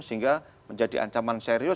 sehingga menjadi ancaman secara terhadap